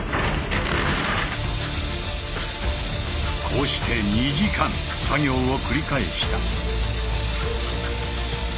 こうして２時間作業を繰り返した。